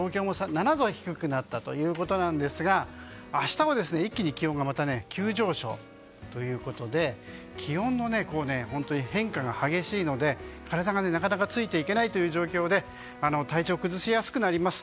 東京も７度低くなったということですが明日は一気にまた気温が急上昇ということで気温の変化が激しいので体がなかなかついていけない状況で体調を崩しやすくなります。